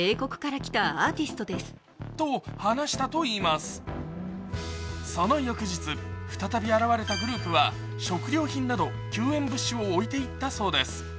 その中の１人にその翌日、再び現れたグループは食料品など救援物資を置いていったそうです。